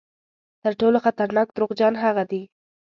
تر ټولو خطرناک دروغجن هغه دي.